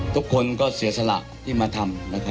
ทุกคนก็เศรษฐกิจไม่ไปมาทน